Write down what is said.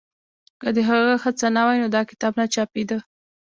که د هغه هڅه نه وای نو دا کتاب نه چاپېده.